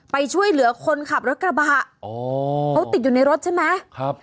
ไปช่วยเหลือคนขับรถกระบะอ๋อเขาติดอยู่ในรถใช่ไหมครับ